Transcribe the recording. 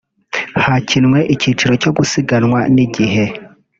hakinwe icyiciro cyo gusiganwa n’igihe